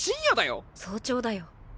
早朝だよ。